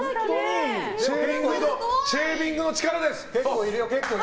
シェービングの力です。